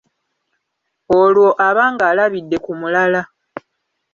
Olwo aba ng'alabidde ku mulala.